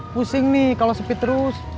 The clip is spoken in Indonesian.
pusing nih kalau sepi terus